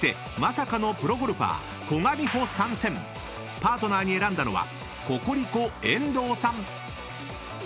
［パートナーに選んだのはココリコ遠藤さん］